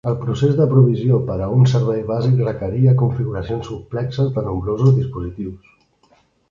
El procés de provisió per a un servei bàsic requeria configuracions complexes de nombrosos dispositius.